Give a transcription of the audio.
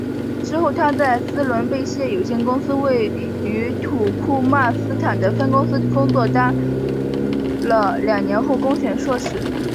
之后她在斯伦贝谢有限公司位于土库曼斯坦的分公司工作了两年后选攻硕士。